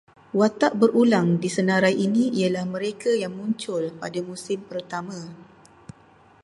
Watak berulang di senarai ini ialah mereka yang muncul pada musim pertama